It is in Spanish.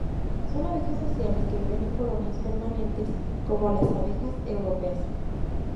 Son abejas sociales que viven en colonias permanentes, como las abejas europeas.